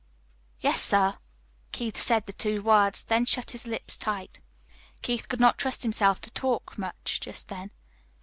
"Yes, sir." Keith said the two words, then shut his lips tight. Keith could not trust himself to talk much just then.